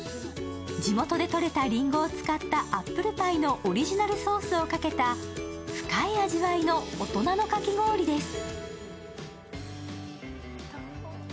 地元でとれたりんごを使ったアップルパイのオリジナルソースをかけた深い味わいの大人のかき氷です。